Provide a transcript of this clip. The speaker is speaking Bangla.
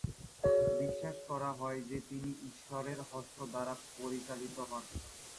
বিশ্বাস করা হয় যে, তিনি ঈশ্বরের হস্ত দ্বারা পরিচালিত হন।